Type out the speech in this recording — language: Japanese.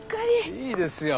いいですよ。